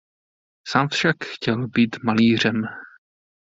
Sám však chtěl být malířem.